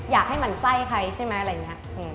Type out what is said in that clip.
อยากให้มันไส้ใครใช่ไหมอะไรอย่างนี้